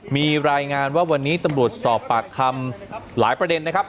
มีรายงานว่าวันนี้ตำรวจสอบปากคำหลายประเด็นนะครับ